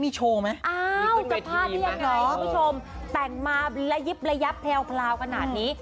มีโชว์ไหมอ้าวจะพลาดได้ยังไงคุณผู้ชมแต่งมาระยิบระยับแพลวขนาดนี้